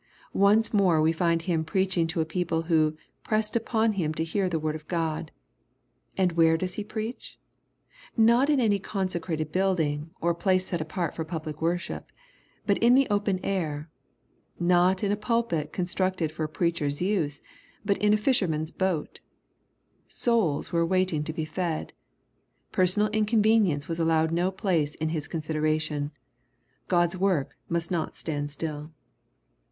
Once more we find Him preaching to a people who " pressed upon Him to hear the word of God." And where does He preach ? Not in any consecrated building, or place set apart for public worship, but in the open air ;— ^not in a pulpit constructed for a preacher's use, but in a fisherman's boat. Souls were waiting to be fed. Per sonal inconvenience was allowed no place in His consid eration, Q od's work must not stand still.